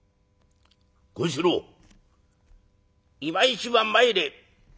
権四郎いま一番参れ」。